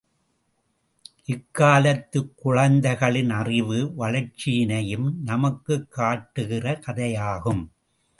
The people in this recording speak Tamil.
இக்காலத்துக் குழந்தைகளின் அறிவு வளர்ச்சியினையும் நமக்குக் காட்டுகிற கதையாகும்.